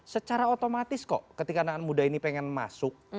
secara otomatis kok ketika anak anak muda ini pengen masuk